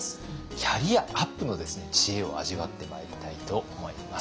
キャリアアップの知恵を味わってまいりたいと思います。